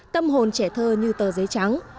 tâm hồn trẻ thơ như tờ giấy trắng